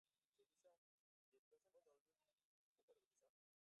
aa nakushukuru sana profesa mwesiga baregu ukiwa